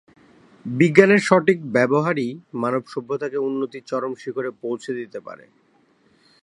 বিজ্ঞানের সঠিক ব্যবহারই মানবসভ্যতাকে উন্নতির চরম শিখরে পৌঁছে দিতে পারে।